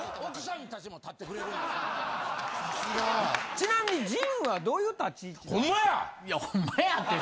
ちなみに陣はどういう立ち位置なんですか？